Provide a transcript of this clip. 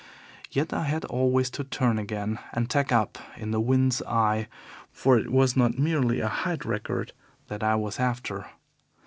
Yet I had always to turn again and tack up in the wind's eye, for it was not merely a height record that I was after.